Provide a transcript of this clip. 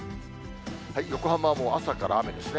横浜はもう朝から雨ですね。